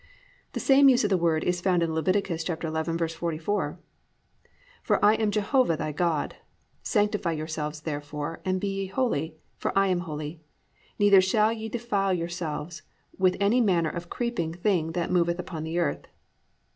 The same use of the word is found in Lev. 11:44, +"For I am Jehovah thy God: sanctify yourselves therefore, and be ye holy; for I am holy: neither shall ye defile yourselves with any manner of creeping thing that moveth upon the earth."